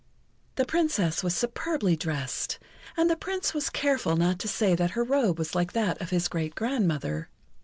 The Princess was superbly dressed, and the Prince was careful not to say that her robe was like that of his great grandmother.